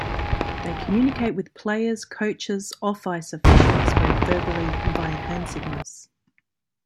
They communicate with players, coaches, off-ice officials, both verbally and via hand signals.